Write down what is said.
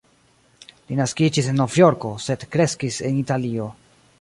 Li naskiĝis en Novjorko, sed kreskis en Italio.